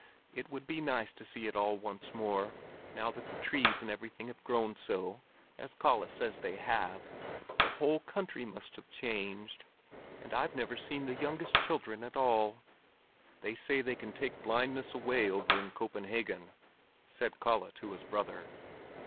It would be nice to see it all once more, now that the trees and everything have grown so, as Kalle says they have. The whole country must have changed. And I've never seen the youngest children at all." "They say that they can take blindness away over in Copenhagen," said Kalle to his brother.